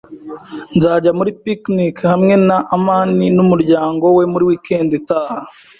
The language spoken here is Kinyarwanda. Nzajya muri picnic hamwe na amani n'umuryango we muri weekend itaha.